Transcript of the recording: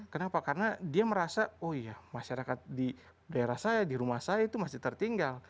kenapa karena dia merasa oh iya masyarakat di daerah saya di rumah saya itu masih tertinggal